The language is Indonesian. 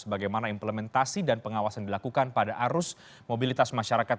bagaimana implementasi dan pengawasan dilakukan pada arus mobilitas masyarakat